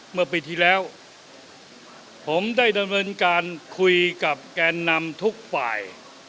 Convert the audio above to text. เมื่อปีที่แล้วผมได้ดำเนินการคุยกับแกนนำทุกฝ่าย